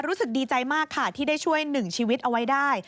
รู้สึกดีใจมากค่ะที่ได้ช่วยหนึ่งชีวิตเอาไว้ได้